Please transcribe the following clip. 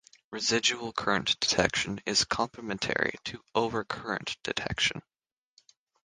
Residual-current detection is complementary to over-current detection.